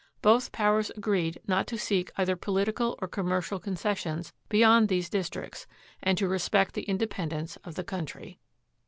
Both powers agreed not to seek either political or commer cial concessions beyond these districts, and to respect the independence of the country.